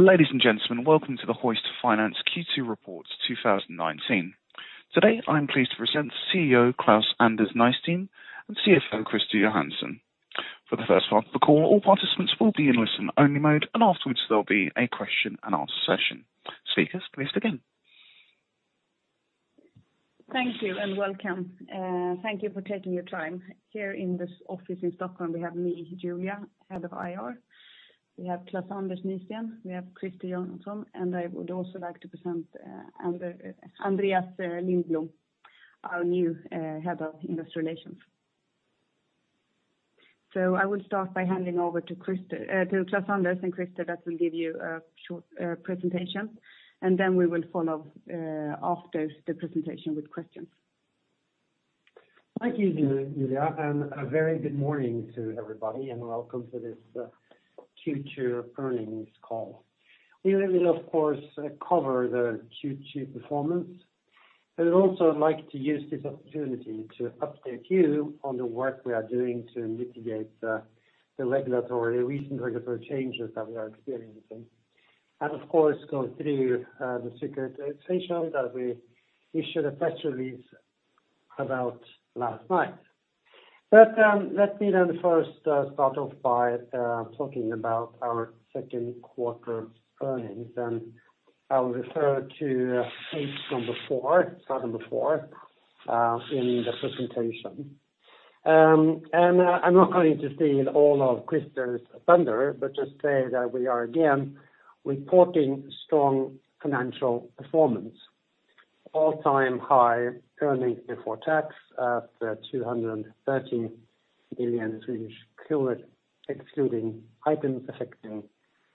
Ladies and gentlemen, welcome to the Hoist Finance Q2 Report 2019. Today, I'm pleased to present CEO Klaus-Anders Nysteen and CFO Christer Johansson. For the first part of the call, all participants will be in listen-only mode, and afterwards there'll be a question-and-answer session. Speakers, please begin. Thank you, and welcome. Thank you for taking your time. Here in this office in Stockholm, we have me, Julia, Head of IR. We have Klaus-Anders Nysteen, we have Christer Johansson, and I would also like to present Andreas Lindblom, our new Head of Investor Relations. I will start by handing over to Klaus-Anders and Christer that will give you a short presentation, and then we will follow after the presentation with questions. Thank you, Julia, a very good morning to everybody, welcome to this Q2 earnings call. We will of course cover the Q2 performance, I'd also like to use this opportunity to update you on the work we are doing to mitigate the recent regulatory changes that we are experiencing, of course, go through the securitization that we issued a press release about last night. Let me first start off by talking about our second quarter earnings, I'll refer to page number four in the presentation. I'm not going to steal all of Christer's thunder, just say that we are again reporting strong financial performance, all-time high earnings before tax at 213 million, excluding items affecting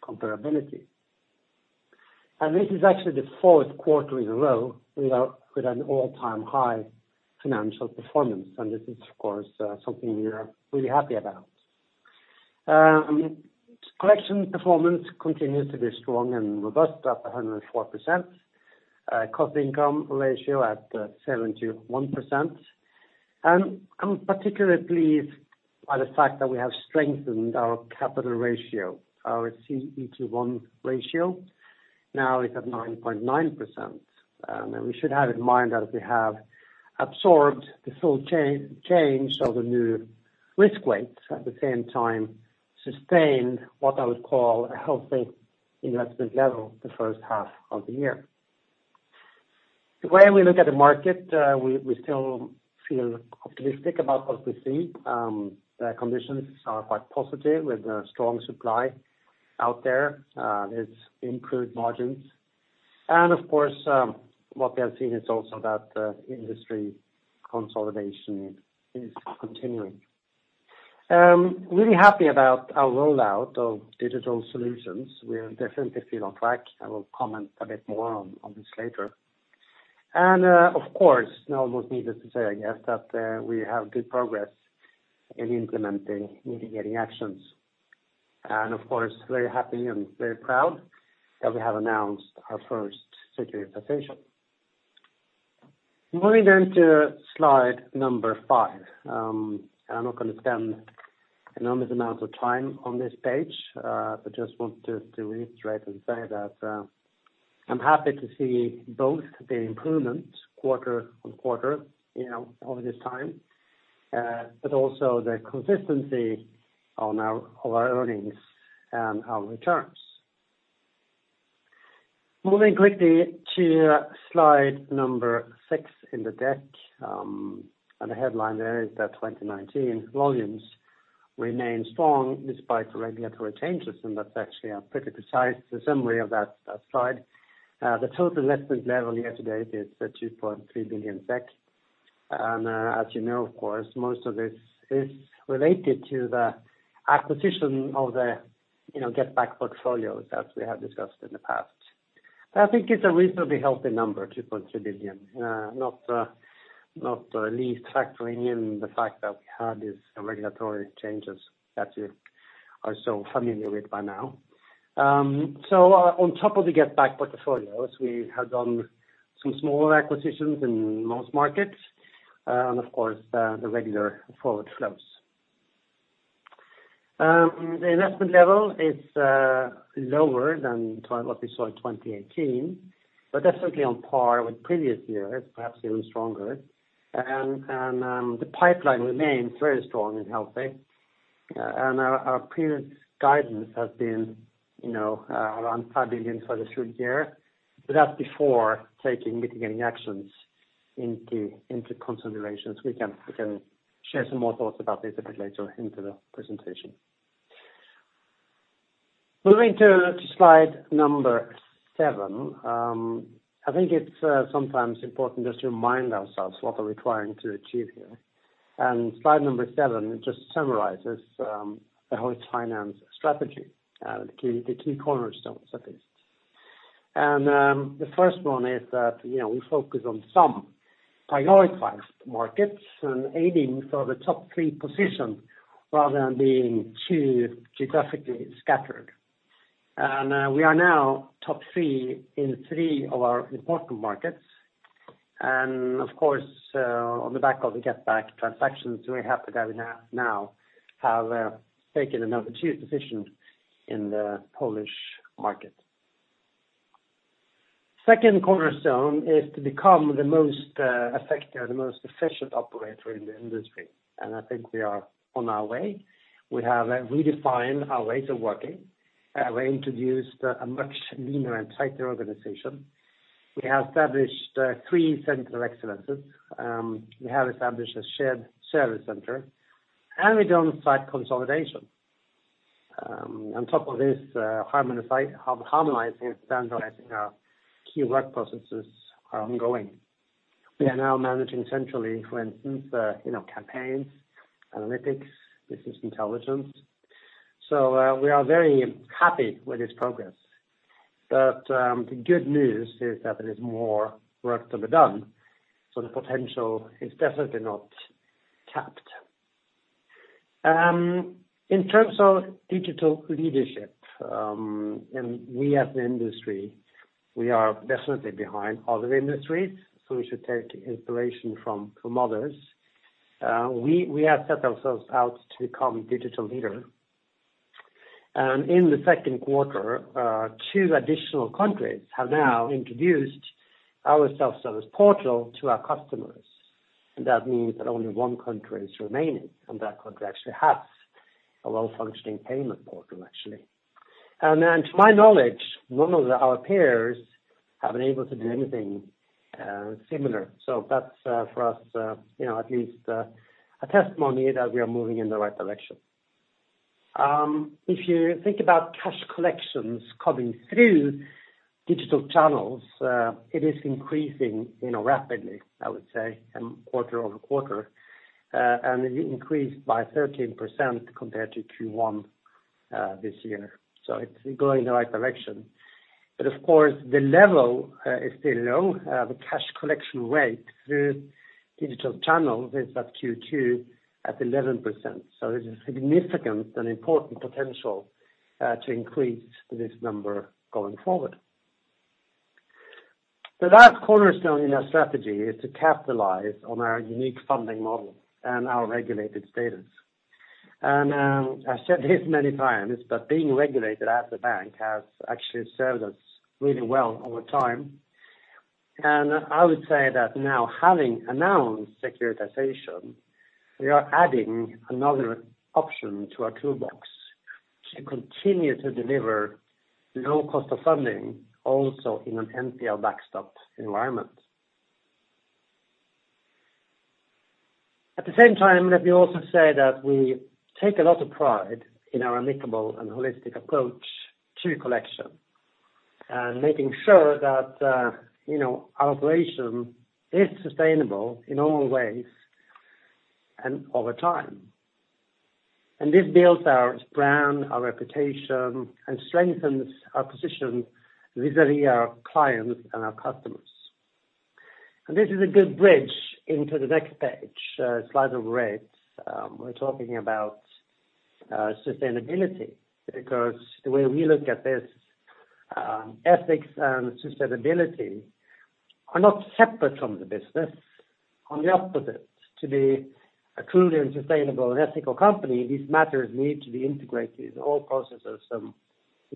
comparability. This is actually the fourth quarter in a row with an all-time high financial performance. This is, of course, something we are really happy about. Collection performance continues to be strong and robust at 104%, cost-to-income ratio at 71%. I'm particularly pleased by the fact that we have strengthened our capital ratio. Our CET1 ratio now is at 9.9%, and we should have in mind that we have absorbed the full change of the new risk weights, at the same time, sustained what I would call a healthy investment level the first half of the year. The way we look at the market, we still feel optimistic about what we see. The conditions are quite positive with strong supply out there. There's improved margins. Of course, what we have seen is also that the industry consolidation is continuing. Really happy about our rollout of digital solutions. We definitely feel on track. I will comment a bit more on this later. Of course, it's almost needless to say, I guess, that we have good progress in implementing mitigating actions. Of course, very happy and very proud that we have announced our first securitization. Moving to slide number five. I'm not going to spend enormous amounts of time on this page. I just want to reiterate and say that I'm happy to see both the improvement quarter on quarter over this time, but also the consistency of our earnings and our returns. Moving quickly to slide number six in the deck. The headline there is that 2019 volumes remain strong despite regulatory changes, and that's actually a pretty precise summary of that slide. The total investment level year to date is 2.3 billion SEK. As you know, of course, most of this is related to the acquisition of the GetBack portfolios that we have discussed in the past. I think it's a reasonably healthy number, 2.3 billion. Not least factoring in the fact that we had these regulatory changes that you are so familiar with by now. On top of the GetBack portfolios, we have done some smaller acquisitions in most markets, and of course, the regular forward flows. The investment level is lower than what we saw in 2018, but definitely on par with previous years, perhaps even stronger. The pipeline remains very strong and healthy. Our previous guidance has been around 5 billion for this full year, but that's before taking mitigating actions into considerations. We can share some more thoughts about this a bit later into the presentation. Moving to slide number seven. I think it's sometimes important just to remind ourselves what are we trying to achieve here. Slide number seven just summarizes the Hoist Finance strategy, the key cornerstones, that is. The first one is that we focus on some prioritized markets and aiming for the top three position rather than being too geographically scattered. We are now top three in three of our important markets. Of course, on the back of the GetBack transactions, we're happy that we now have taken another chief position in the Polish market. Second cornerstone is to become the most effective, the most efficient operator in the industry, and I think we are on our way. We have redefined our ways of working. We introduced a much leaner and tighter organization. We have established three center of excellences. We have established a shared service center, and we done site consolidation. Harmonizing and standardizing our key work processes are ongoing. We are now managing centrally, for instance, campaigns, analytics, business intelligence. We are very happy with this progress. The good news is that there is more work to be done, the potential is definitely not capped. In terms of digital leadership, we as an industry, we are definitely behind other industries, we should take inspiration from others. We have set ourselves out to become a digital leader. In the second quarter, two additional countries have now introduced our self-service portal to our customers. That means that only one country is remaining, and that country actually has a well-functioning payment portal, actually. To my knowledge, none of our peers have been able to do anything similar. That's for us at least a testimony that we are moving in the right direction. If you think about cash collections coming through digital channels, it is increasing rapidly, I would say, quarter-over-quarter. It increased by 13% compared to Q1 this year. It's going in the right direction. Of course, the level is still low. The cash collection rate through digital channels is at Q2 at 11%. There's a significant and important potential to increase this number going forward. The last cornerstone in our strategy is to capitalize on our unique funding model and our regulated status. I've said this many times, but being regulated as a bank has actually served us really well over time. I would say that now having announced securitization, we are adding another option to our toolbox to continue to deliver low cost of funding, also in an NPL backstop environment. At the same time, let me also say that we take a lot of pride in our amicable and holistic approach to collection and making sure that our operation is sustainable in all ways and over time. This builds our brand, our reputation, and strengthens our position vis-à-vis our clients and our customers. This is a good bridge into the next page, slide of rates. We're talking about sustainability because the way we look at this, ethics and sustainability are not separate from the business. On the opposite, to be a truly and sustainable and ethical company, these matters need to be integrated in all processes and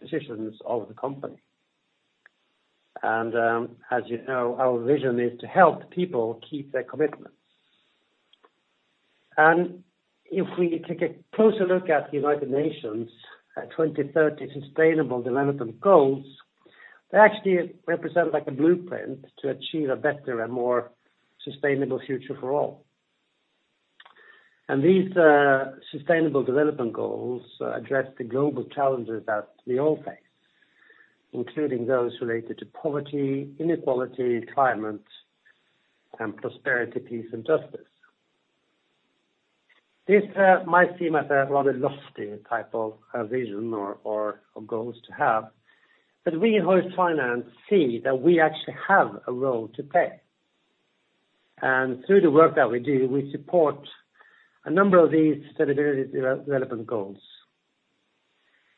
decisions of the company. As you know, our vision is to help people keep their commitments. If we take a closer look at United Nations 2030 Sustainable Development Goals, they actually represent like a blueprint to achieve a better and more sustainable future for all. These sustainable development goals address the global challenges that we all face, including those related to poverty, inequality, climate, and prosperity, peace and justice. This might seem as a rather lofty type of vision or goals to have, but we at Hoist Finance see that we actually have a role to play. Through the work that we do, we support a number of these sustainability relevant goals.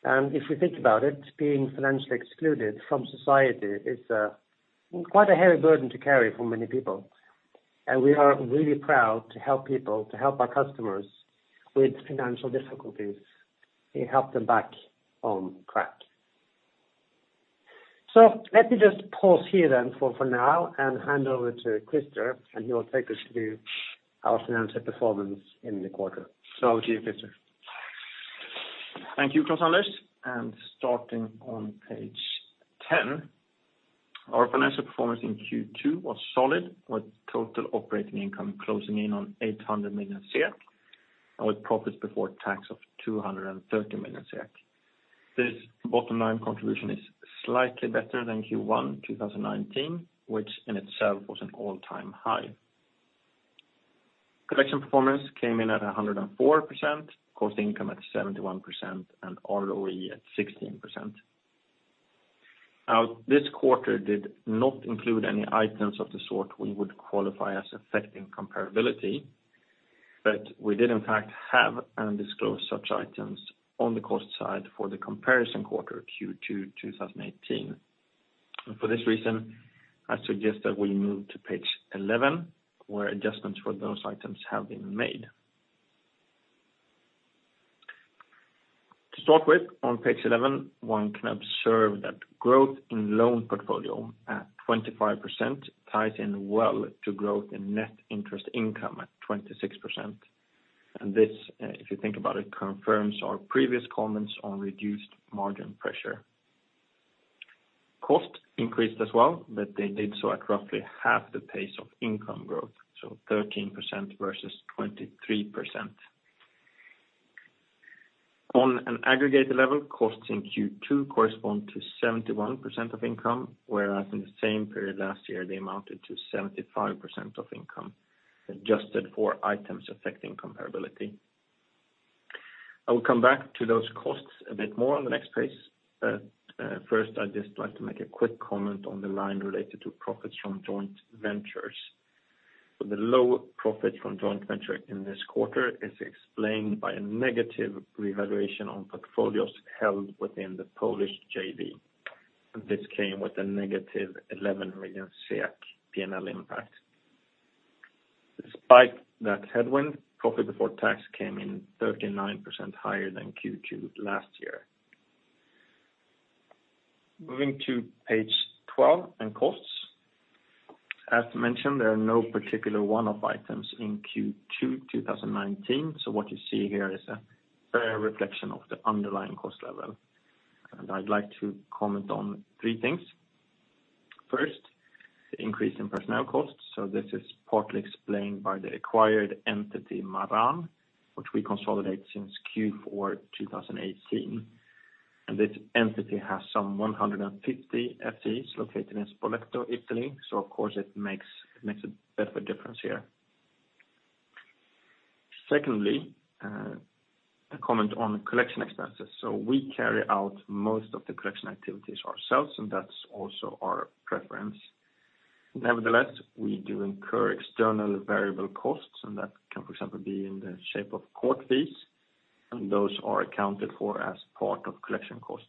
If we think about it, being financially excluded from society is quite a heavy burden to carry for many people, and we are really proud to help people, to help our customers with financial difficulties, we help them back on track. Let me just pause here then for now and hand over to Christer, and he will take us through our financial performance in the quarter. Over to you, Christer. Thank you, Klaus-Anders. Starting on page 10. Our financial performance in Q2 was solid, with total operating income closing in on 800 million, and with profits before tax of 230 million. This bottom line contribution is slightly better than Q1 2019, which in itself was an all-time high. Collection performance came in at 104%, cost income at 71%, and ROE at 16%. Now, this quarter did not include any items of the sort we would qualify as affecting comparability. We did in fact have and disclose such items on the cost side for the comparison quarter Q2 2018. For this reason, I suggest that we move to page 11, where adjustments for those items have been made. To start with, on page 11, one can observe that growth in loan portfolio at 25% ties in well to growth in net interest income at 26%. This, if you think about it, confirms our previous comments on reduced margin pressure. Cost increased as well, they did so at roughly half the pace of income growth, so 13% versus 23%. On an aggregate level, costs in Q2 correspond to 71% of income, whereas in the same period last year, they amounted to 75% of income, adjusted for items affecting comparability. I will come back to those costs a bit more on the next page. First, I'd just like to make a quick comment on the line related to profits from joint ventures. The low profit from joint venture in this quarter is explained by a negative revaluation on portfolios held within the Polish JV. This came with a negative 11 million P&L impact. Despite that headwind, profit before tax came in 39% higher than Q2 last year. Moving to page 12 and costs. As mentioned, there are no particular one-off items in Q2 2019, so what you see here is a fair reflection of the underlying cost level. I'd like to comment on three things. First, the increase in personnel costs. This is partly explained by the acquired entity Maran, which we consolidate since Q4 2018. This entity has some 150 FTEs located in Spoleto, Italy, so of course it makes a bit of a difference here. Secondly, a comment on collection expenses. We carry out most of the collection activities ourselves, and that's also our preference. Nevertheless, we do incur external variable costs, and that can, for example, be in the shape of court fees, and those are accounted for as part of collection costs.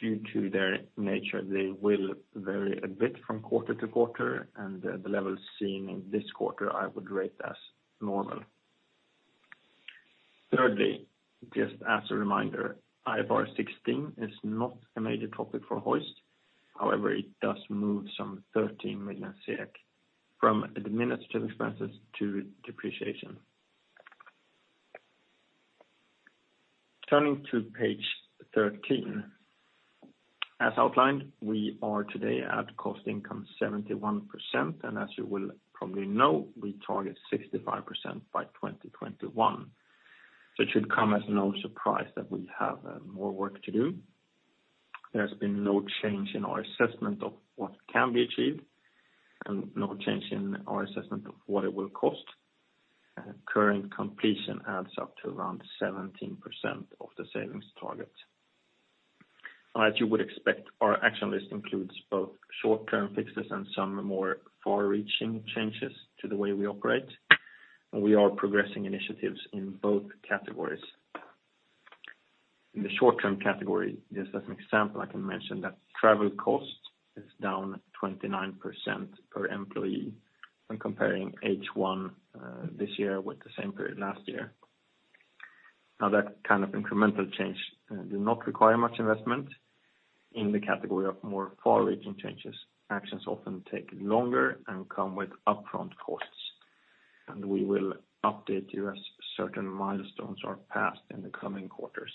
Due to their nature, they will vary a bit from quarter to quarter, and the levels seen in this quarter, I would rate as normal. Thirdly, just as a reminder, IFRS 16 is not a major topic for Hoist. However, it does move some 13 million SEK from administrative expenses to depreciation. Turning to page 13. As outlined, we are today at cost income 71%, and as you will probably know, we target 65% by 2021. It should come as no surprise that we have more work to do. There's been no change in our assessment of what can be achieved and no change in our assessment of what it will cost. Current completion adds up to around 17% of the savings target. As you would expect, our action list includes both short-term fixes and some more far-reaching changes to the way we operate. We are progressing initiatives in both categories. In the short-term category, just as an example, I can mention that travel cost is down 29% per employee when comparing H1 this year with the same period last year. That kind of incremental change did not require much investment. In the category of more far-reaching changes, actions often take longer and come with upfront costs. We will update you as certain milestones are passed in the coming quarters.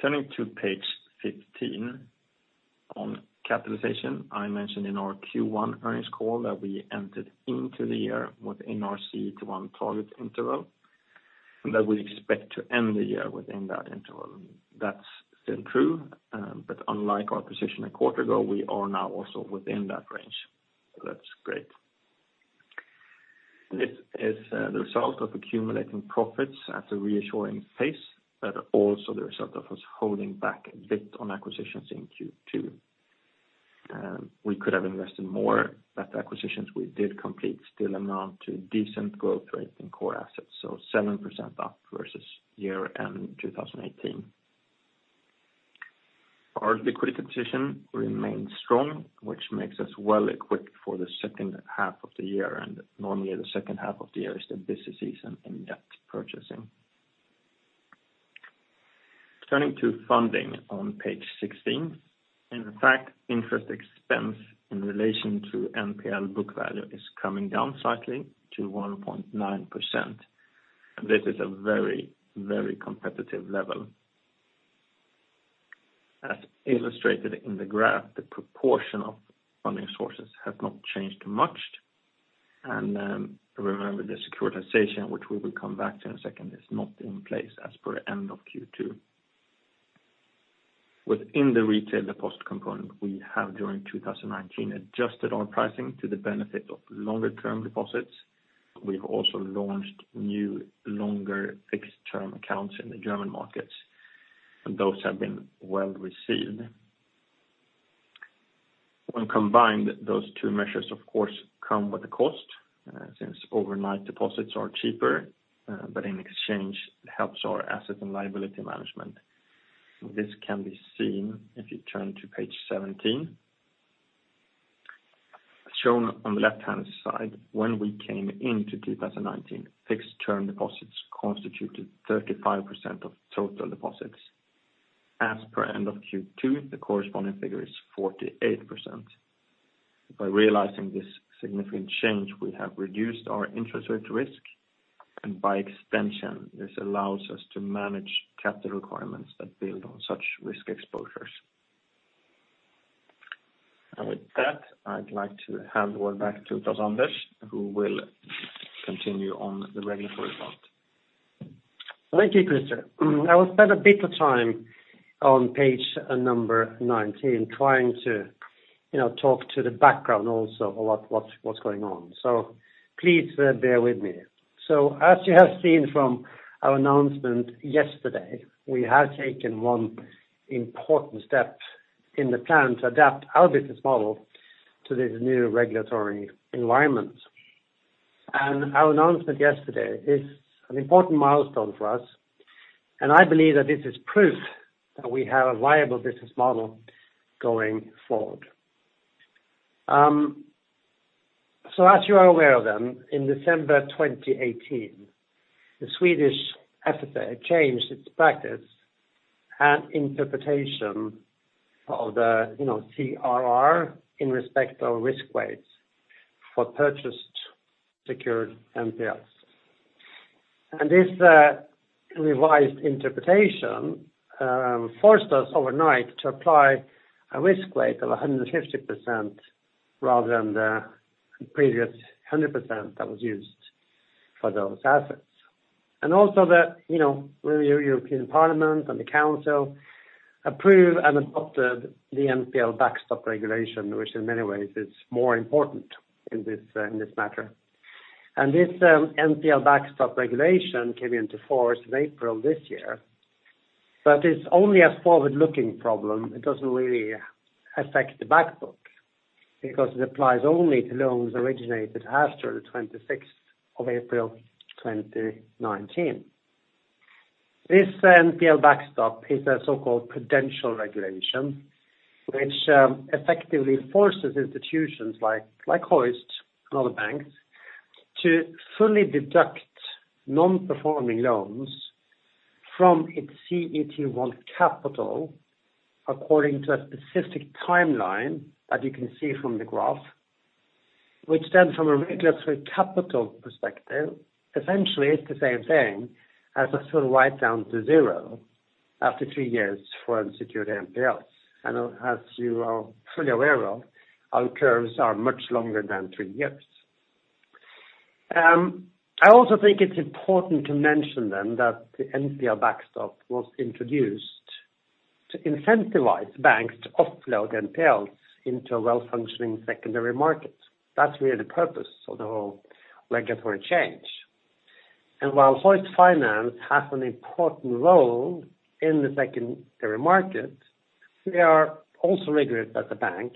Turning to page 15 on capitalization. I mentioned in our Q1 earnings call that we entered into the year with NRC to on target interval, and that we expect to end the year within that interval. That's still true, unlike our position a quarter ago, we are now also within that range. That's great. This is the result of accumulating profits at a reassuring pace, but also the result of us holding back a bit on acquisitions in Q2. We could have invested more, but the acquisitions we did complete still amount to decent growth rate in core assets, so 7% up versus year-end 2018. Our liquidity position remains strong, which makes us well equipped for the second half of the year, and normally the second half of the year is the busy season in debt purchasing. Turning to funding on page 16. In fact, interest expense in relation to NPL book value is coming down slightly to 1.9%. This is a very competitive level. As illustrated in the graph, the proportion of funding sources have not changed much. Remember the securitization, which we will come back to in a second, is not in place as per end of Q2. Within the retail deposit component we have during 2019 adjusted our pricing to the benefit of longer term deposits. We have also launched new longer fixed term accounts in the German markets, and those have been well received. When combined, those two measures, of course, come with a cost, since overnight deposits are cheaper, but in exchange, it helps our asset and liability management. This can be seen if you turn to page 17. Shown on the left-hand side, when we came into 2019, fixed-term deposits constituted 35% of total deposits. As per end of Q2, the corresponding figure is 48%. By realizing this significant change, we have reduced our interest rate risk, and by extension, this allows us to manage capital requirements that build on such risk exposures. With that, I'd like to hand over back to Klaus-Anders, who will continue on the regulatory part. Thank you, Christer. I will spend a bit of time on page 19 trying to talk to the background also of what's going on. Please bear with me. As you have seen from our announcement yesterday, we have taken one important step in the plan to adapt our business model to this new regulatory environment. Our announcement yesterday is an important milestone for us, and I believe that this is proof that we have a viable business model going forward. As you are aware, in December 2018, the Swedish FSA changed its practice and interpretation of the CRR in respect of risk weights for purchased secured NPLs. This revised interpretation forced us overnight to apply a risk weight of 150% rather than the previous 100% that was used for those assets. Also the European Parliament and the Council approved and adopted the NPL backstop regulation, which in many ways is more important in this matter. This NPL backstop regulation came into force in April this year, but it's only a forward-looking problem. It doesn't really affect the back book because it applies only to loans originated after the 26th of April 2019. This NPL backstop is a so-called prudential regulation, which effectively forces institutions like Hoist and other banks to fully deduct non-performing loans from its CET1 capital according to a specific timeline, as you can see from the graph, which then from a regulatory capital perspective, essentially is the same thing as a full write-down to zero after three years for unsecured NPLs. As you are fully aware of, our curves are much longer than three years. I also think it's important to mention then that the NPL backstop was introduced to incentivize banks to offload NPLs into a well-functioning secondary market. That's really the purpose of the whole regulatory change. While Hoist Finance has an important role in the secondary market, we are also regulated as a bank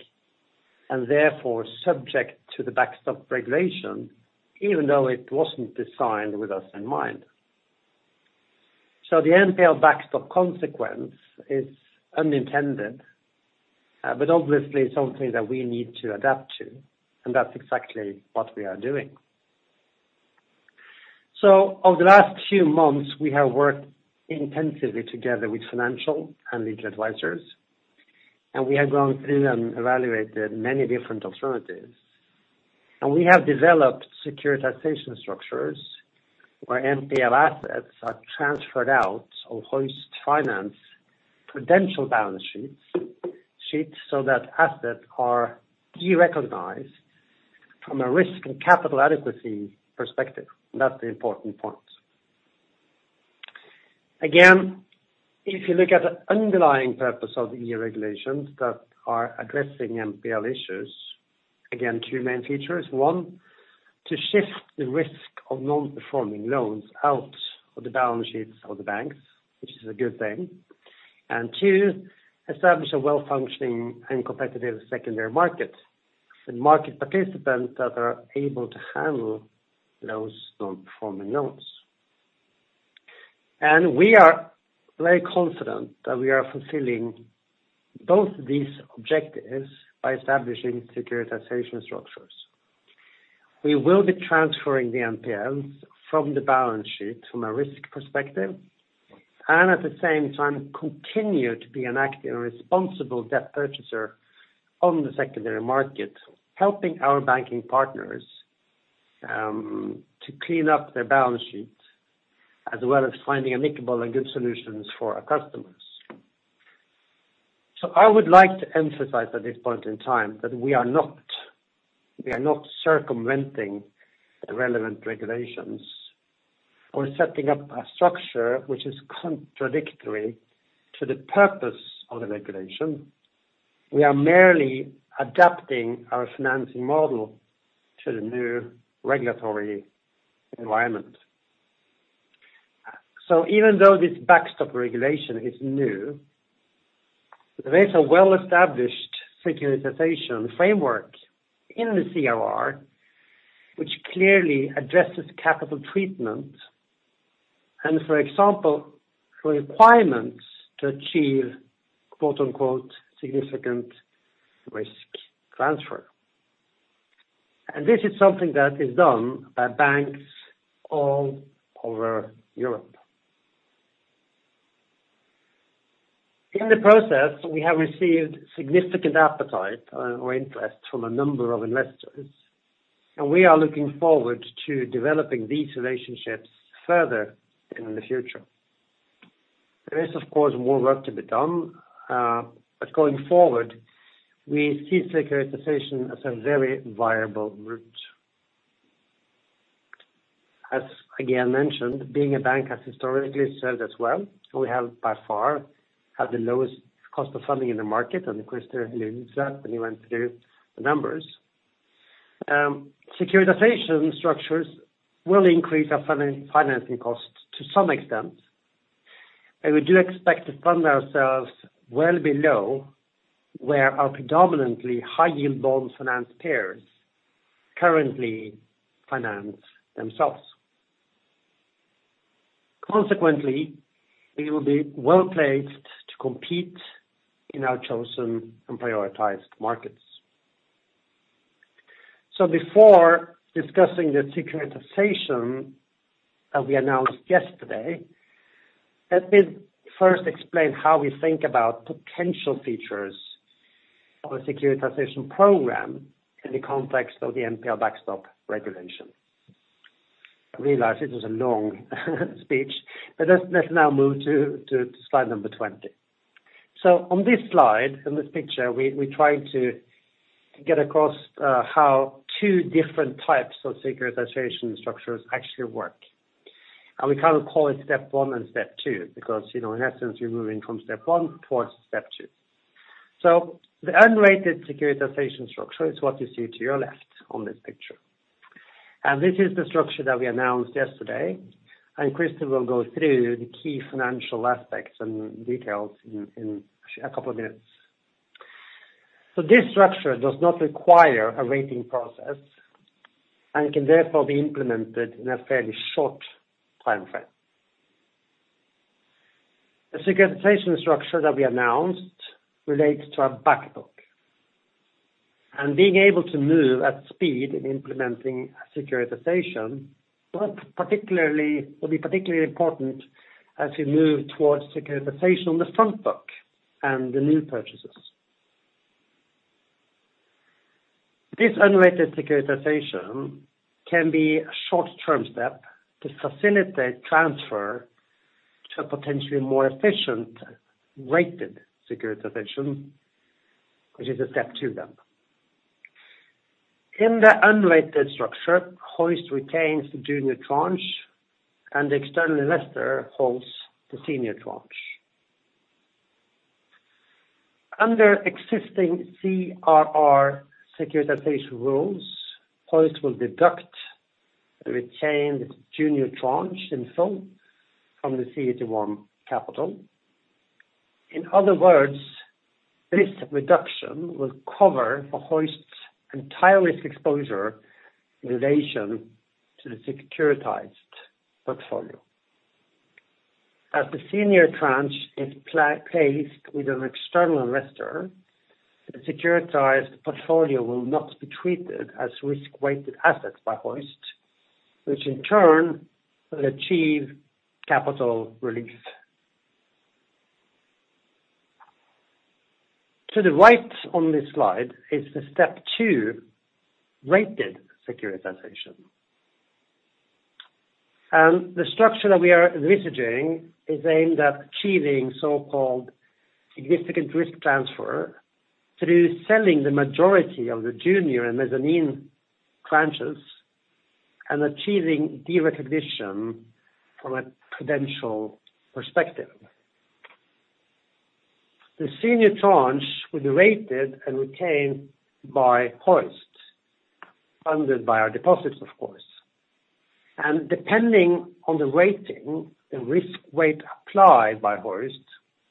and therefore subject to the Backstop regulation, even though it wasn't designed with us in mind. The NPL backstop consequence is unintended, but obviously something that we need to adapt to, and that's exactly what we are doing. Over the last few months, we have worked intensively together with financial and legal advisors, and we have gone through and evaluated many different alternatives. We have developed securitization structures where NPL assets are transferred out of Hoist Finance prudential balance sheets so that assets are derecognized from a risk and capital adequacy perspective. That's the important point. Again, if you look at the underlying purpose of EU regulations that are addressing NPL issues, again, two main features. One, to shift the risk of non-performing loans out of the balance sheets of the banks, which is a good thing. Two, establish a well-functioning and competitive secondary market and market participants that are able to handle those non-performing loans. We are very confident that we are fulfilling both these objectives by establishing securitization structures. We will be transferring the NPLs from the balance sheet from a risk perspective, and at the same time continue to be an active and responsible debt purchaser on the secondary market. Helping our banking partners to clean up their balance sheets, as well as finding amicable and good solutions for our customers. I would like to emphasize at this point in time that we are not circumventing the relevant regulations or setting up a structure which is contradictory to the purpose of the regulation. We are merely adapting our financing model to the new regulatory environment. Even though this backstop regulation is new, there is a well-established securitization framework in the CRR, which clearly addresses capital treatment and, for example, for requirements to achieve significant risk transfer. This is something that is done by banks all over Europe. In the process, we have received significant appetite or interest from a number of investors, and we are looking forward to developing these relationships further in the future. There is, of course, more work to be done. Going forward, we see securitization as a very viable route. As again mentioned, being a bank has historically served us well. We have by far had the lowest cost of funding in the market. Christer will use that when he went through the numbers. Securitization structures will increase our financing costs to some extent. We do expect to fund ourselves well below where our predominantly high-yield bond finance peers currently finance themselves. Consequently, we will be well-placed to compete in our chosen and prioritized markets. Before discussing the securitization that we announced yesterday, let me first explain how we think about potential features of a securitization program in the context of the NPL backstop regulation. I realize it was a long speech, let's now move to slide number 20. On this slide, in this picture, we try to get across how two different types of securitization structures actually work. We kind of call it step one and step two because, in essence, you're moving from step one towards step two. The unrated securitization structure is what you see to your left on this picture. This is the structure that we announced yesterday, and Christer will go through the key financial aspects and details in a couple of minutes. This structure does not require a rating process and can therefore be implemented in a fairly short timeframe. The securitization structure that we announced relates to our back book. Being able to move at speed in implementing a securitization will be particularly important as we move towards securitization on the front book and the new purchases. This unrated securitization can be a short-term step to facilitate transfer to a potentially more efficient rated securitization, which is a step two then. In the unrated structure, Hoist retains the junior tranche, and the external investor holds the senior tranche. Under existing CRR securitization rules, Hoist will deduct the retained junior tranche in full from the CET1 capital. In other words, this reduction will cover for Hoist's entire risk exposure in relation to the securitized portfolio. As the senior tranche is placed with an external investor, the securitized portfolio will not be treated as risk-weighted assets by Hoist, which in turn will achieve capital release. To the right on this slide is the step two rated securitization. The structure that we are envisaging is aimed at achieving so-called significant risk transfer through selling the majority of the junior and mezzanine tranches and achieving derecognition from a prudential perspective. The senior tranche will be rated and retained by Hoist, funded by our deposits, of course. Depending on the rating, the risk weight applied by Hoist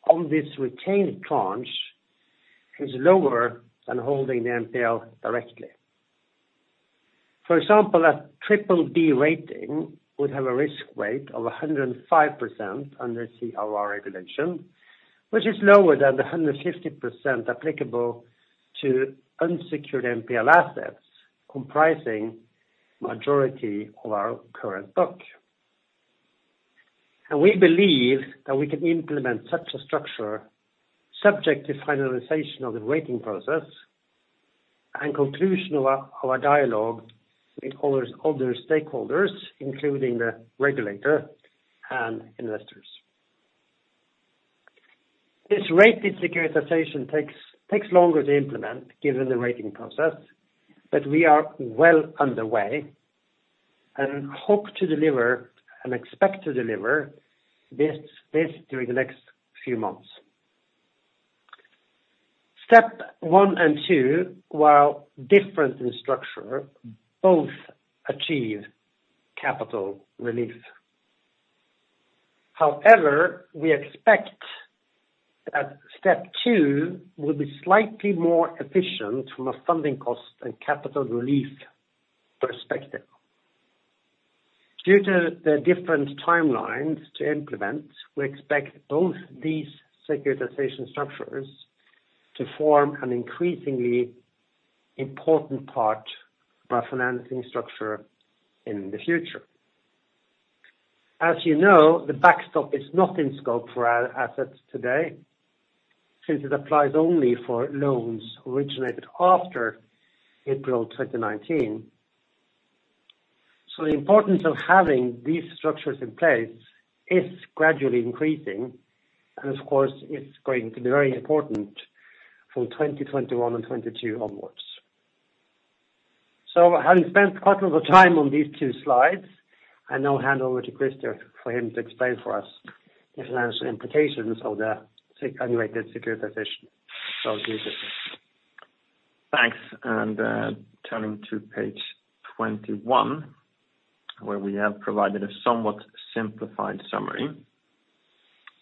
on this retained tranche is lower than holding the NPL directly. For example, a triple B rating would have a risk weight of 105% under CRR regulation, which is lower than the 150% applicable to unsecured NPL assets comprising majority of our current book. We believe that we can implement such a structure subject to finalization of the rating process and conclusion of our dialogue with other stakeholders, including the regulator and investors. This rated securitization takes longer to implement given the rating process, but we are well underway and hope to deliver and expect to deliver this during the next few months. Step one and two, while different in structure, both achieve capital relief. However, we expect that step two will be slightly more efficient from a funding cost and capital relief perspective. Due to the different timelines to implement, we expect both these securitization structures to form an increasingly important part of our financing structure in the future. As you know, the NPL backstop is not in scope for our assets today, since it applies only for loans originated after April 2019. The importance of having these structures in place is gradually increasing, and of course, it's going to be very important from 2021 and 2022 onwards. Having spent quite a lot of time on these two slides, I now hand over to Christer for him to explain for us the financial implications of the unrated securitization. Over to you, Christer. Thanks. Turning to page 21, where we have provided a somewhat simplified summary.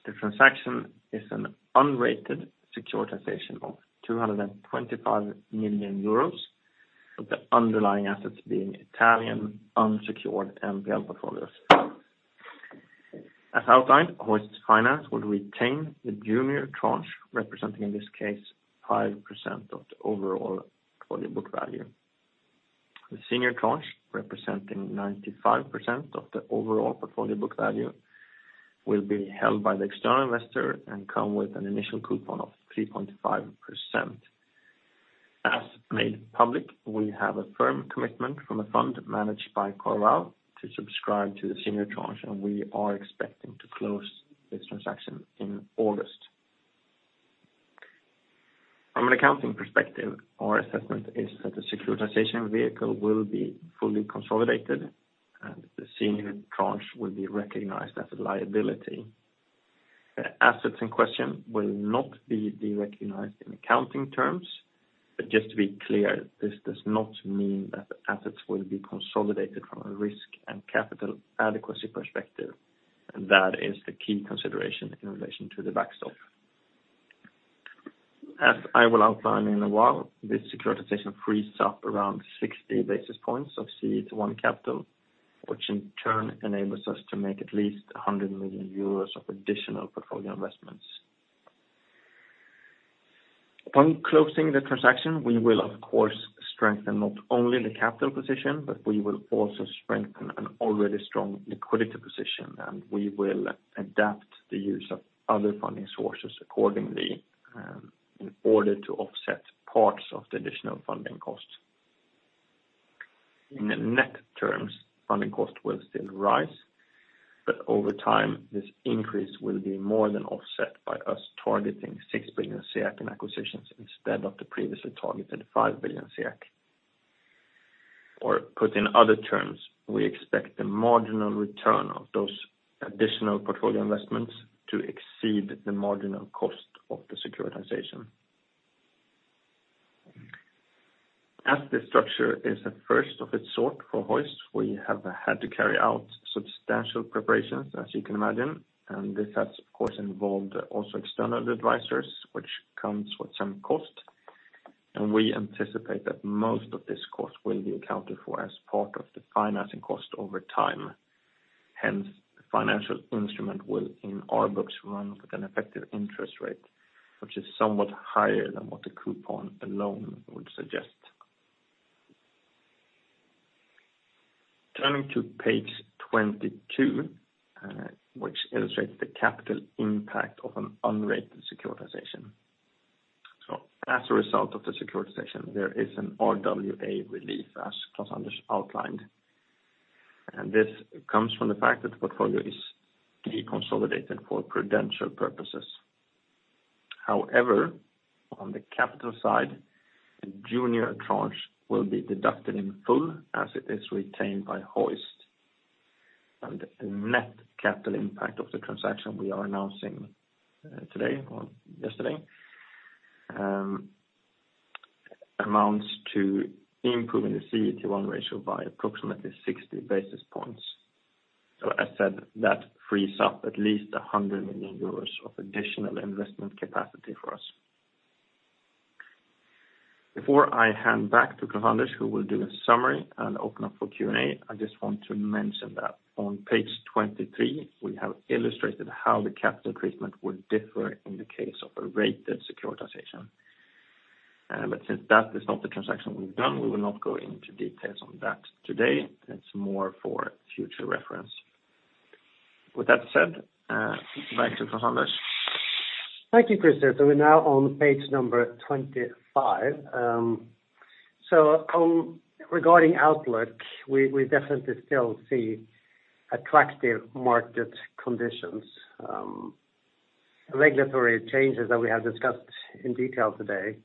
The transaction is an unrated securitization of 225 million euros, with the underlying assets being Italian unsecured NPL portfolios. As outlined, Hoist Finance will retain the junior tranche, representing, in this case, 5% of the overall portfolio book value. The senior tranche, representing 95% of the overall portfolio book value, will be held by the external investor and come with an initial coupon of 3.5%. As made public, we have a firm commitment from a fund managed by CarVal to subscribe to the senior tranche. We are expecting to close this transaction in August. From an accounting perspective, our assessment is that the securitization vehicle will be fully consolidated. The senior tranche will be recognized as a liability. The assets in question will not be de-recognized in accounting terms. Just to be clear, this does not mean that the assets will be consolidated from a risk and capital adequacy perspective. That is the key consideration in relation to the Backstop. As I will outline in a while, this securitization frees up around 60 basis points of CET1 capital, which in turn enables us to make at least 100 million euros of additional portfolio investments. Upon closing the transaction, we will, of course, strengthen not only the capital position, but we will also strengthen an already strong liquidity position, and we will adapt the use of other funding sources accordingly in order to offset parts of the additional funding cost. In the net terms, funding cost will still rise, but over time, this increase will be more than offset by us targeting 6 billion in acquisitions instead of the previously targeted 5 billion. Put in other terms, we expect the marginal return of those additional portfolio investments to exceed the marginal cost of the securitization. This structure is a first of its sort for Hoist, we have had to carry out substantial preparations, as you can imagine, and this has, of course, involved also external advisors, which comes with some cost. We anticipate that most of this cost will be accounted for as part of the financing cost over time. Hence, the financial instrument will, in our books, run with an effective interest rate, which is somewhat higher than what the coupon alone would suggest. Turning to page 22, which illustrates the capital impact of an unrated securitization. As a result of the securitization, there is an RWA relief, as Klaus-Anders outlined. This comes from the fact that the portfolio is deconsolidated for prudential purposes. On the capital side, the junior tranche will be deducted in full as it is retained by Hoist, and the net capital impact of the transaction we are announcing today or yesterday amounts to improving the CET1 ratio by approximately 60 basis points. As said, that frees up at least 100 million euros of additional investment capacity for us. Before I hand back to Klaus-Anders, who will do a summary and open up for Q&A, I just want to mention that on page 23, we have illustrated how the capital treatment will differ in the case of a rated securitization. Since that is not the transaction we've done, we will not go into details on that today. It's more for future reference. With that said, back to Klaus-Anders. Thank you, Christer. We're now on page number 25. Regarding outlook, we definitely still see attractive market conditions. Regulatory changes that we have discussed in detail today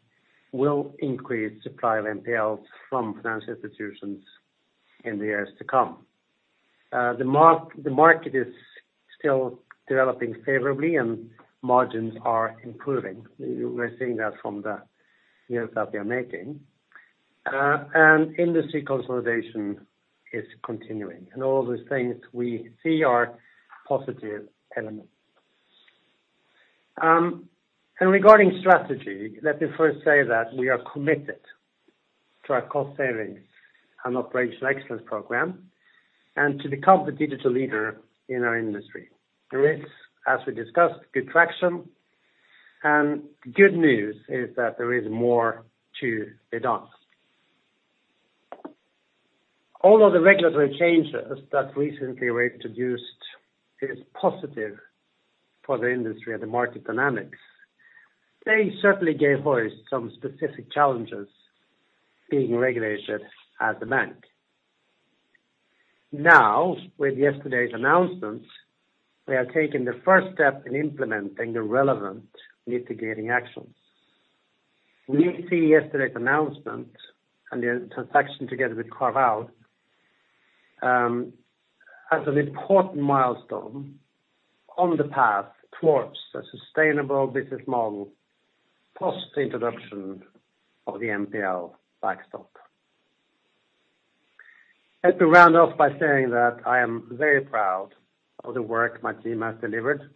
will increase supply of NPLs from financial institutions in the years to come. The market is still developing favorably and margins are improving. We're seeing that from the deals that we are making. Industry consolidation is continuing, and all those things we see are positive elements. Regarding strategy, let me first say that we are committed to our cost savings and operational excellence program and to become the digital leader in our industry. There is, as we discussed, good traction and good news is that there is more to be done. Although the regulatory changes that recently were introduced is positive for the industry and the market dynamics, they certainly gave Hoist some specific challenges being regulated as a bank. Now, with yesterday's announcement, we are taking the first step in implementing the relevant mitigating actions. We see yesterday's announcement and the transaction together with CarVal, as an important milestone on the path towards a sustainable business model post-introduction of the NPL backstop. Let me round off by saying that I am very proud of the work my team has delivered,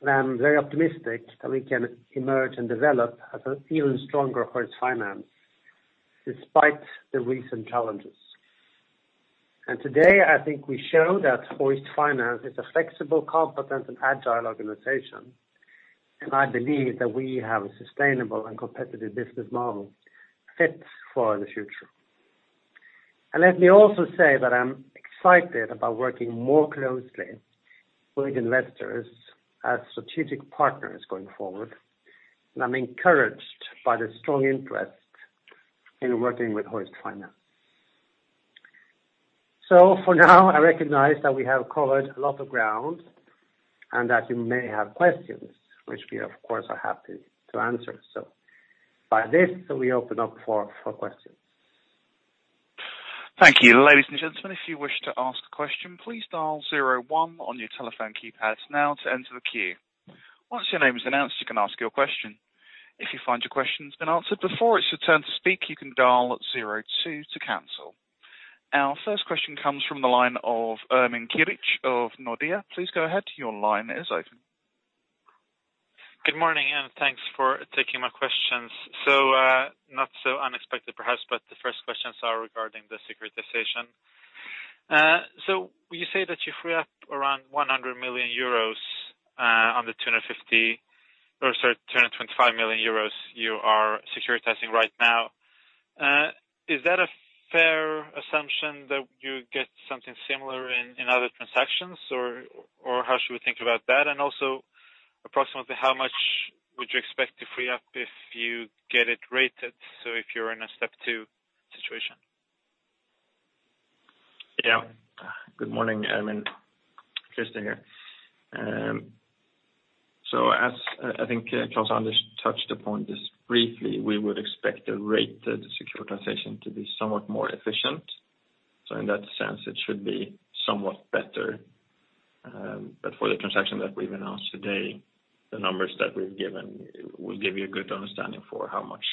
and I'm very optimistic that we can emerge and develop as an even stronger Hoist Finance despite the recent challenges. Today, I think we show that Hoist Finance is a flexible, competent, and agile organization, and I believe that we have a sustainable and competitive business model fit for the future. Let me also say that I'm excited about working more closely with investors as strategic partners going forward, and I'm encouraged by the strong interest in working with Hoist Finance. For now, I recognize that we have covered a lot of ground and that you may have questions, which we of course, are happy to answer. By this, we open up for questions. Thank you. Ladies and gentlemen, if you wish to ask a question, please dial zero one on your telephone keypads now to enter the queue. Once your name is announced, you can ask your question. If you find your question's been answered before it's your turn to speak, you can dial zero two to cancel. Our first question comes from the line of Ermin Keric of Nordea. Please go ahead. Your line is open. Good morning, and thanks for taking my questions. Not so unexpected perhaps, but the first questions are regarding the securitization. You say that you free up around 100 million euros, 225 million euros you are securitizing right now. Is that a fair assumption that you get something similar in other transactions or how should we think about that? Also approximately how much would you expect to free up if you get it rated, so if you're in a step two situation? Yeah. Good morning, Ermin. Christer here. As I think Klaus-Anders touched upon this briefly, we would expect the rated securitization to be somewhat more efficient. In that sense, it should be somewhat better. For the transaction that we've announced today, the numbers that we've given will give you a good understanding for how much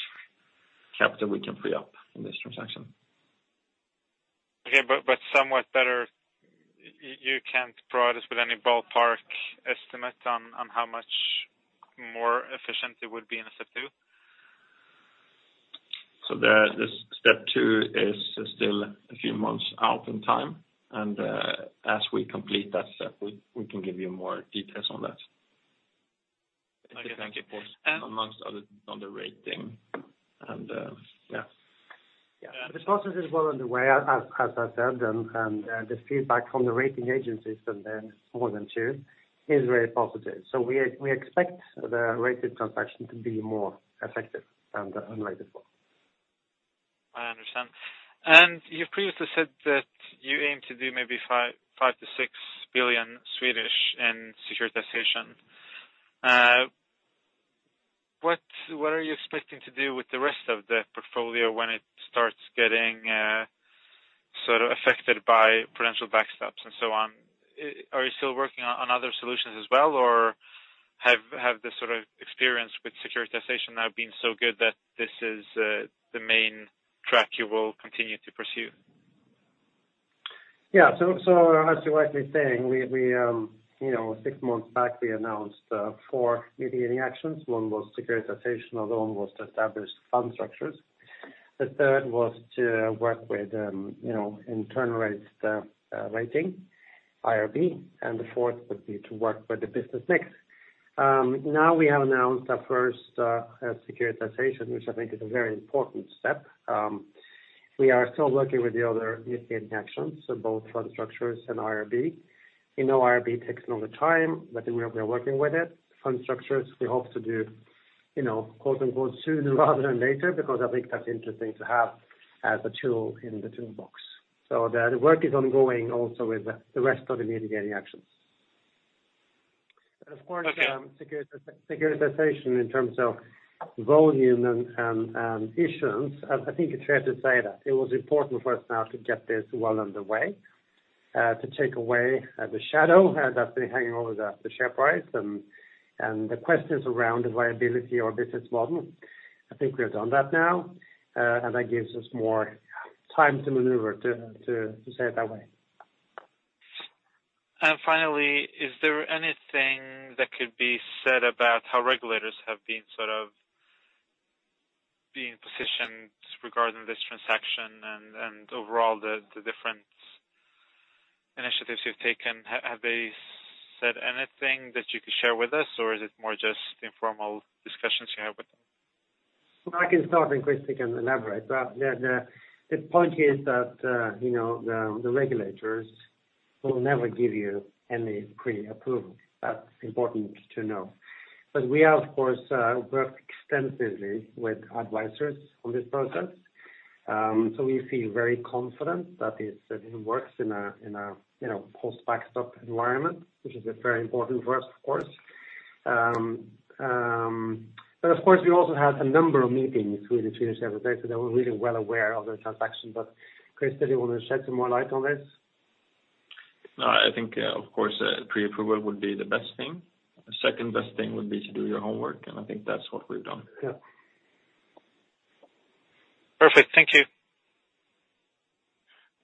capital we can free up in this transaction. Okay. Somewhat better, you can't provide us with any ballpark estimate on how much more efficient it would be in a step two? The step two is still a few months out in time, and as we complete that step, we can give you more details on that. Okay. Thank you. Among others on the rating. Yeah. The process is well underway as I said, and the feedback from the rating agencies and then more than two is very positive. We expect the rated transaction to be more effective than the unrated one. I understand. You've previously said that you aim to do maybe 5 billion-6 billion in securitization. What are you expecting to do with the rest of the portfolio when it starts getting sort of affected by prudential backstops and so on? Are you still working on other solutions as well or have the sort of experience with securitization now been so good that this is the main track you will continue to pursue? Yeah. As you're rightly saying, six months back we announced four mitigating actions. One was securitization, another one was to establish fund structures. The third was to work with internal rates, the rating IRB, and the fourth would be to work with the business mix. Now we have announced our first securitization, which I think is a very important step. We are still working with the other mitigating actions, so both fund structures and IRB. You know IRB takes a lot of time, but we are working with it. Fund structures we hope to do, soon rather than later, because I think that's interesting to have as a tool in the toolbox. The work is ongoing also with the rest of the mitigating actions. As far as securitization in terms of volume and issuance, I think it's fair to say that it was important for us now to get this well underway, to take away the shadow that's been hanging over the share price and the questions around the viability or business model. I think we've done that now, and that gives us more time to maneuver, to say it that way. Finally, is there anything that could be said about how regulators have been positioned regarding this transaction and overall the different initiatives you've taken? Have they said anything that you could share with us, or is it more just informal discussions you have with them? I can start, and Christer can elaborate. The point is that the regulators will never give you any pre-approval. That's important to know. We have, of course, worked extensively with advisors on this process. We feel very confident that it works in a post-backstop environment, which is very important for us, of course. Of course, we also had a number of meetings with the Swedish regulator. They were really well aware of the transaction. Christer, do you want to shed some more light on this? No, I think, of course, pre-approval would be the best thing. The second-best thing would be to do your homework, and I think that's what we've done. Yeah. Perfect. Thank you.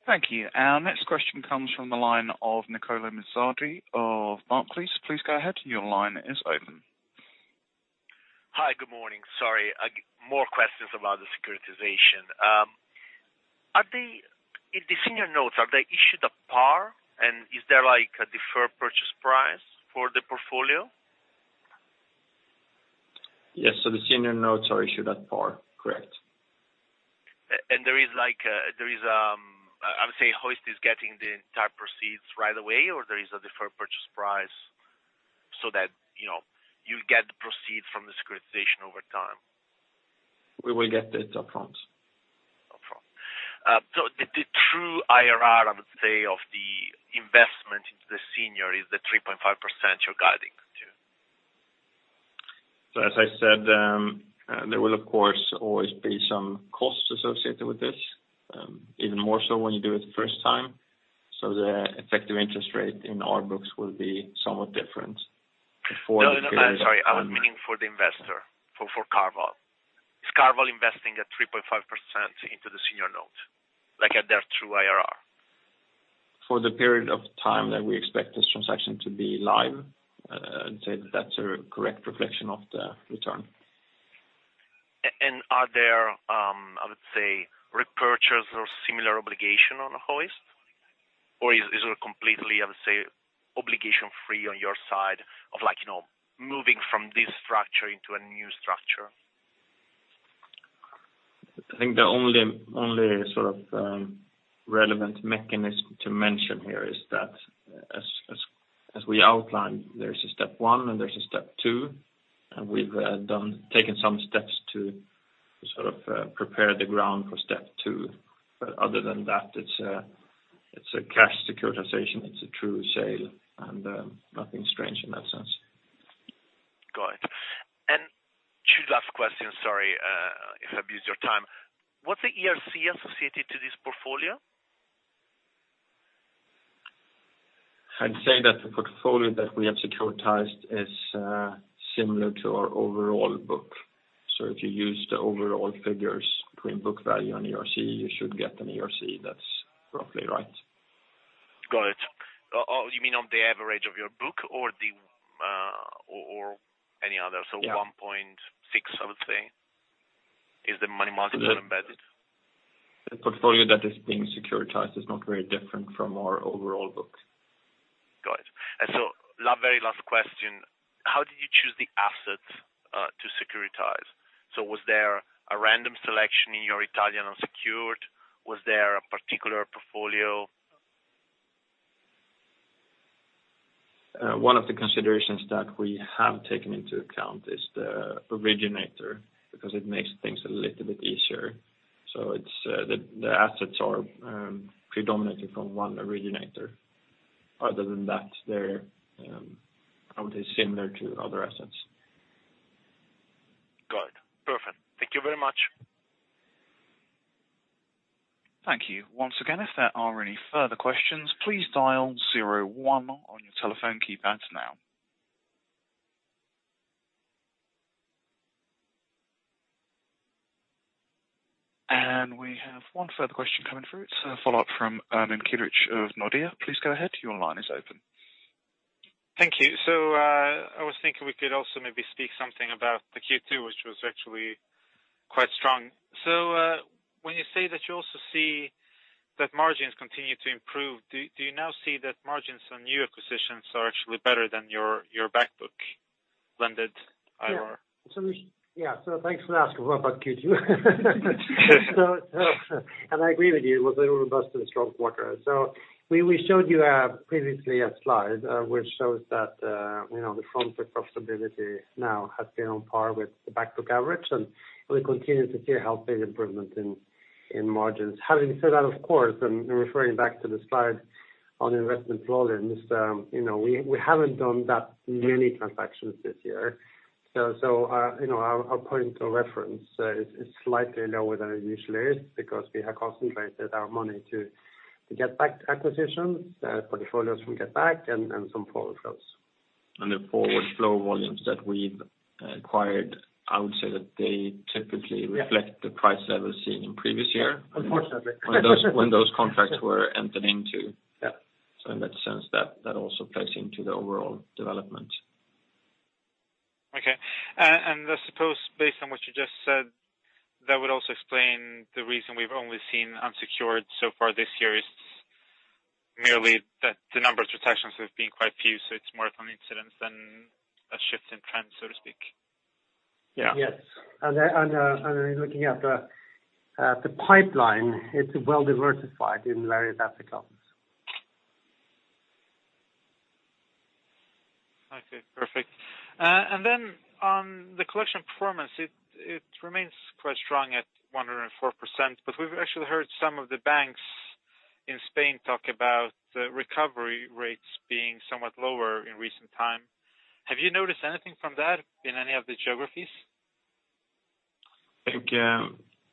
Thank you. Our next question comes from the line of Nicola Mezzadri of Barclays. Please go ahead. Your line is open. Hi. Good morning. Sorry, more questions about the securitization. In the senior notes, are they issued at par? Is there a deferred purchase price for the portfolio? Yes. The senior notes are issued at par, correct. There is, I would say Hoist is getting the entire proceeds right away, or there is a deferred purchase price so that you get the proceed from the securitization over time? We will get it upfront. Upfront. the true IRR, I would say, of the investment into the senior is the 3.5% you're guiding to. As I said, there will of course always be some costs associated with this, even more so when you do it the first time. The effective interest rate in our books will be somewhat different for the period of time. No, I'm sorry. I was meaning for the investor, for CarVal. Is CarVal investing at 3.5% into the senior note, like at their true IRR? For the period of time that we expect this transaction to be live, I'd say that that's a correct reflection of the return. Are there, I would say, repurchases or similar obligation on Hoist? is it completely, I would say, obligation-free on your side of moving from this structure into a new structure? I think the only sort of relevant mechanism to mention here is that as we outlined, there's a step one and there's a step two, and we've taken some steps to sort of prepare the ground for step two. Other than that, it's a cash securitization, it's a true sale, and nothing strange in that sense. Got it. Two last questions. Sorry if I abuse your time. What's the ERC associated to this portfolio? I'd say that the portfolio that we have securitized is similar to our overall book. If you use the overall figures between book value and ERC, you should get an ERC that's roughly right. Got it. You mean on the average of your book or any other 1.6, I would say, is the money margin that are embedded? The portfolio that is being securitized is not very different from our overall book. Got it. Very last question, how did you choose the assets to securitize? Was there a random selection in your Italian unsecured? Was there a particular portfolio? One of the considerations that we have taken into account is the originator, because it makes things a little bit easier. The assets are predominantly from one originator. Other than that, they're, I would say, similar to other assets. Got it. Perfect. Thank you very much. Thank you. Once again, if there are any further questions, please dial zero one on your telephone keypad now. We have one further question coming through. It's a follow-up from Ermin Keric of Nordea. Please go ahead. Your line is open. Thank you. I was thinking we could also maybe speak something about the Q2, which was actually quite strong. When you say that you also see that margins continue to improve, do you now see that margins on new acquisitions are actually better than your back book blended IRR? Yeah. Thanks for asking about Q2. I agree with you, it was a robust and strong quarter. We showed you previously a slide which shows that the front book profitability now has been on par with the back book average, and we continue to see healthy improvement in margins. Having said that, of course, and referring back to the slide on investment flow, Ermin, we haven't done that many transactions this year. Our point of reference is slightly lower than it usually is because we have concentrated our money to GetBack acquisitions, portfolios from GetBack and some forward flows. The forward flow volumes that we've acquired, I would say that they typically reflect the price that was seen in previous year. Unfortunately. When those contracts were entered into. Yeah. In that sense that also plays into the overall development. Okay. I suppose based on what you just said, that would also explain the reason we've only seen unsecured so far this year is merely that the number of protections have been quite few, so it's more of an incident than a shift in trend, so to speak. Yeah. Yes. Looking at the pipeline, it's well diversified in various articles. Okay, perfect. on the collection performance, it remains quite strong at 104%, but we've actually heard some of the banks in Spain talk about recovery rates being somewhat lower in recent time. Have you noticed anything from that in any of the geographies? I think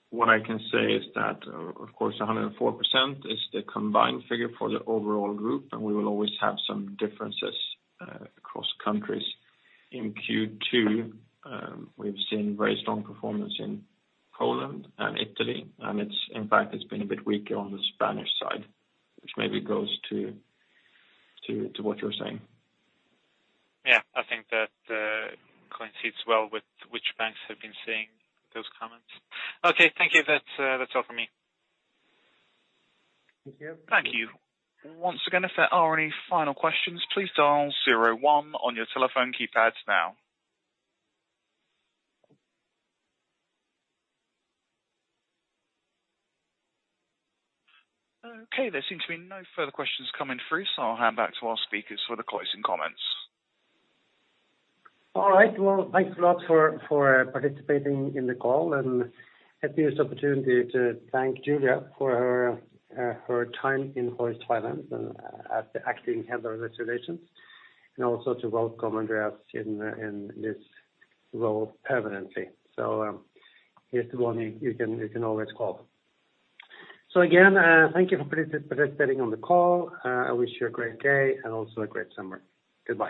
what I can say is that, of course, 104% is the combined figure for the overall group, and we will always have some differences across countries. In Q2, we've seen very strong performance in Poland and Italy, and in fact, it's been a bit weaker on the Spanish side, which maybe goes to what you're saying. Yeah, I think that coincides well with which banks have been saying those comments. Okay, thank you. That's all from me. Thank you. Thank you. Once again, if there are any final questions, please dial zero one on your telephone keypads now. Okay, there seems to be no further questions coming through, so I'll hand back to our speakers for the closing comments. All right, well, thanks a lot for participating in the call, and let me use the opportunity to thank Julia for her time in Hoist Finance as the Acting Head of Investor Relations, and also to welcome Andreas in this role permanently. He's the one you can always call. Again, thank you for participating on the call. I wish you a great day and also a great summer. Goodbye.